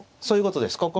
そういうことです。